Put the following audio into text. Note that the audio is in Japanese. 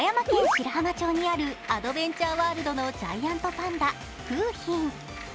白浜町にあるアドベンチャーワールドのジャイアントパンダ、楓浜。